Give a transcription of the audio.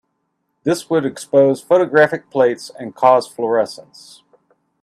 This would expose photographic plates and cause fluorescence.